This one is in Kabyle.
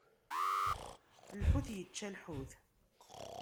Lḥut ičča lḥut.